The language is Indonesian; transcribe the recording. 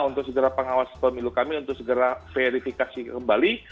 untuk segera pengawas pemilu kami untuk segera verifikasi kembali